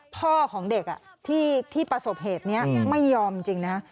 พ่อของเด็กที่ประสบเหตุนี้ไม่ยอมจริงนะ